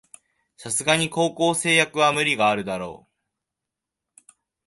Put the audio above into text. さすがに高校生役は無理あるだろ